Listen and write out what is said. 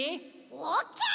オッケー！